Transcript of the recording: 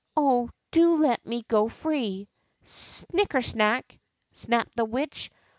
Oh, do let me go free !" Snikkesnak ! snapped the Witch.